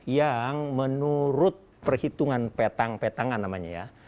yang menurut perhitungan petang petangan namanya ya